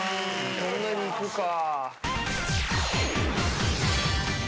こんなにいくか？